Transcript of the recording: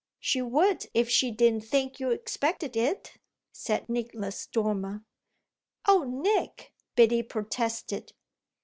"She would if she didn't think you expected it," said Nicholas Dormer. "Oh Nick!" Biddy protested.